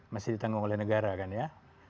masih ditanggung oleh negara kan ya